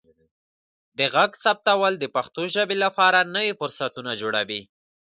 د غږ ثبتول د پښتو ژبې لپاره نوي فرصتونه جوړوي.